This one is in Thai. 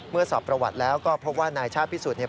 เมื่อสอบประวัติแล้วก็พบว่านายชาติพิสุทธิ์